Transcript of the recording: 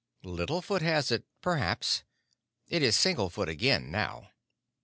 "Little Foot has it perhaps. It is single foot again now."